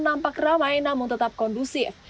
nampak ramai namun tetap kondusif